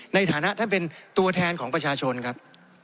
ในฐานะท่านเป็นตัวแทนของประชาชนครับ